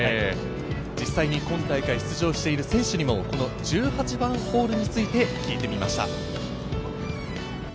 実際に今大会出場している選手も１８番ホールについて聞いてみました。